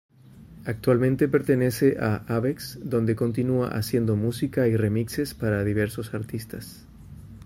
Actualmente pertenece a Avex, donde continúa haciendo música y remixes para diversos artistas.